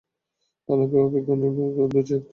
আলো বিজ্ঞানের অদ্ভুত এক চরিত্র।